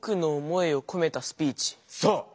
そう！